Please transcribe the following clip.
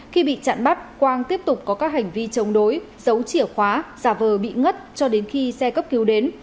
khi bị chặn bắt quang tiếp tục có các hành vi chống đối giấu chìa khóa giả vờ bị ngất cho đến khi xe cấp cứu đến